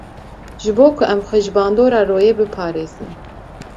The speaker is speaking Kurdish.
Ji bo ku em xwe ji bandora royê biparêzin.